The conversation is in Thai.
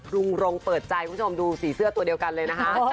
รงเปิดใจคุณผู้ชมดูสีเสื้อตัวเดียวกันเลยนะคะ